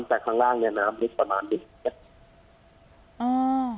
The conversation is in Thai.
แต่ข้างล่างเนี้ยน้ำนิดประมาณนิดเห็นไหมอ๋อ